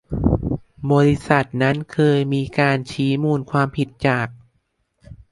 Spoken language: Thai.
บริษัทนั้นเคยมีการชี้มูลความผิดจาก